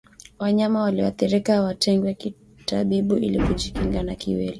Wanyama walioathirika watengwe kitabibu ili kujikinga na kiwele